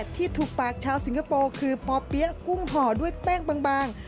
ที่ถูกปากชาวสิงคโปร์คือป่อเปี๊ยกุ้งห่อด้วยแป้งบาง